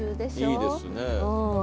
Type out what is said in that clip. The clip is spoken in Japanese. いいですね。